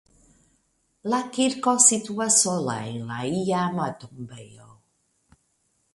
La kirko situas sola en la iama tombejo.